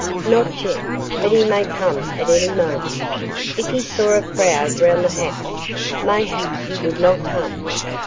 "Not yet. But he may come at any moment. If he saw a crowd round the house, mayhap he would not come."